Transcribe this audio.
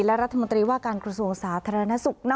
และรัฐมนตรีว่าการกระทรวงสาธารณสุข